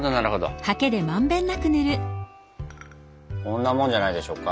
こんなもんじゃないでしょうか。